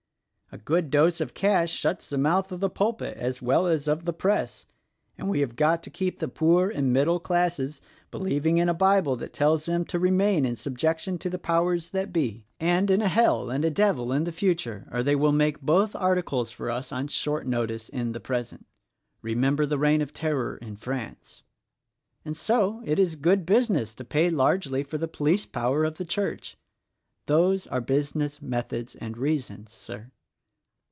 A good dose of cash shuts the mouth of the Pulpit as well as of the Press ; and we have got to keep the poor and middle classes believing in a Bible that tells them to remain in subjection to the powers that be, and 28 THE RECORDING ANGEL in a hell and a devil in the future, or they will make both articles for us on short notice in the present. Remember the Reign of Terror in France.' And so, it is good busi ness to pay largely for the police power of the church. Those are business methods and reasons, Sir."